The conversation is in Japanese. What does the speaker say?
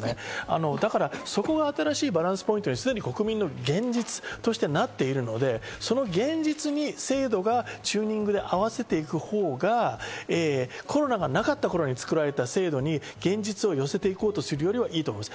だからそこが新しいバランスポイント、国民の現実としてなっているのでその現実に制度をチューニングで合わせていくほうが、コロナがなかった頃に作られた制度に現実を寄せていこうとするよりはいいと思います。